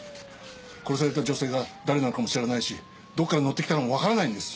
殺された女性が誰なのかも知らないしどこから乗ってきたかもわからないんです！